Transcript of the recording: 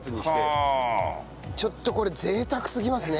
ちょっとこれ贅沢すぎますね！